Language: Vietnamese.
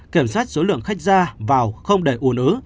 kiểm soát số lượng khách ra vào không để ủn ứ